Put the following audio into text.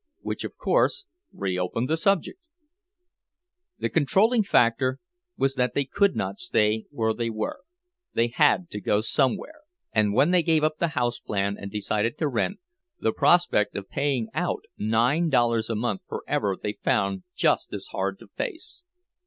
Which, of course, reopened the subject! The controlling factor was that they could not stay where they were—they had to go somewhere. And when they gave up the house plan and decided to rent, the prospect of paying out nine dollars a month forever they found just as hard to face.